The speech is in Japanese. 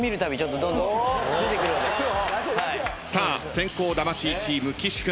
先攻魂チーム岸君。